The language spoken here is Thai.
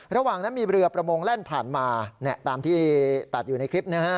ระหว่างนั้นมีเรือประมงแล่นผ่านมาตามที่ตัดอยู่ในคลิปนะฮะ